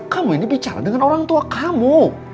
kamu ini bicara dengan orang tua kamu